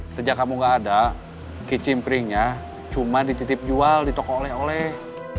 sejak kamu gak ada kicimperingnya cuma dititip jual ditokok oleh oleh